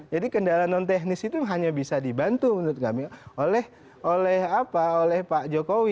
jadi kendala non teknis itu hanya bisa dibantu menurut kami oleh pak jokowi